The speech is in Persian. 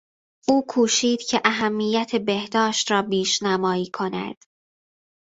او کوشید که اهمیت بهداشت را بیشنمایی کند.